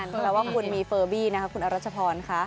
เพราะว่าคุณมีเฟอร์บี้นะคะคุณอรัชพรค่ะ